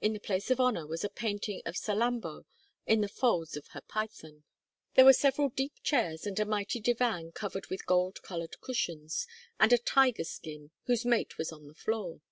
In the place of honor was a painting of Salambô in the folds of her python. There were several deep chairs and a mighty divan covered with gold colored cushions and a tiger skin, whose mate was on the floor.